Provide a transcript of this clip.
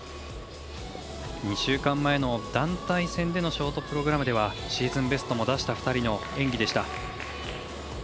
２週間前の団体戦でのショートプログラムではシーズンベストも出した２人の演技でした。